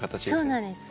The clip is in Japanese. そうなんです。